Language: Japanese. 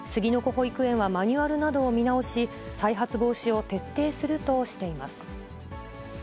保育園はマニュアルなどを見直し、再発防止を徹底するとしています。